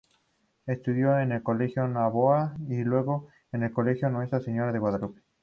Estudió en el colegio Noboa y luego en el Colegio Nuestra Señora de Guadalupe.